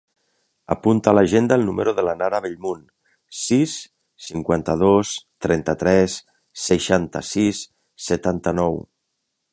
Apunta a l'agenda el número de la Nara Bellmunt: sis, cinquanta-dos, trenta-tres, setanta-sis, setanta-nou.